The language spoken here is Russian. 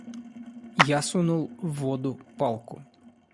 Я сунул в воду палку.